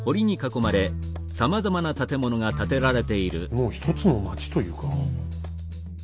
もう一つの町というか。